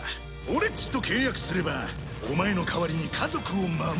俺っちと契約すればお前の代わりに家族を守ってやる。